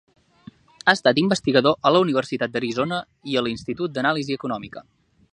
Ha estat investigador a la Universitat d'Arizona i a l'Institut d'Anàlisi Econòmica.